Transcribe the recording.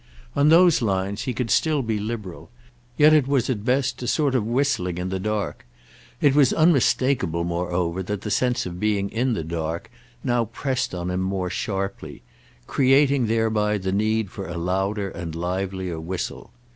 On those lines he could still be liberal, yet it was at best a sort of whistling in the dark. It was unmistakeable moreover that the sense of being in the dark now pressed on him more sharply—creating thereby the need for a louder and livelier whistle.